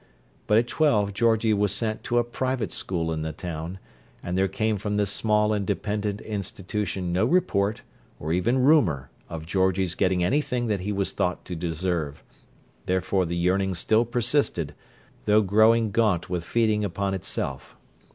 But at twelve Georgie was sent to a private school in the town, and there came from this small and dependent institution no report, or even rumour, of Georgie's getting anything that he was thought to deserve; therefore the yearning still persisted, though growing gaunt with feeding upon itself.